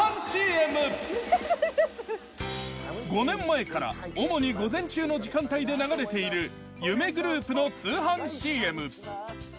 ５年前からおもに午前中の時間帯で流れている夢グループの通販ＣＭ。